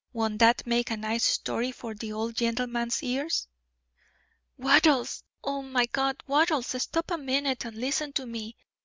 Won't that make a nice story for the old gentleman's ears!" "Wattles I oh, my God! Wattles, stop a minute and listen to me.